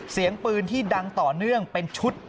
เสียงปืนที่ดังต่อเนื่องเป็นชุด